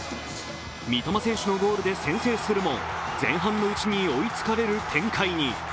三笘選手のゴールで先制するも、前半のうちに追いつかれる展開に。